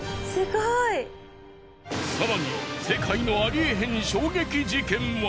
更に世界のありえへん衝撃事件は。